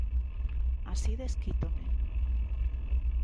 Así desquítome.